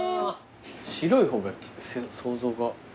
白い方が想像が。